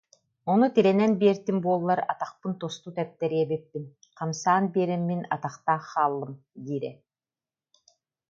Ону тирэнэн биэртим буоллар атахпын тосту тэптэриэ эбиппин, хамсаан биэрэммин атахтаах хааллым диирэ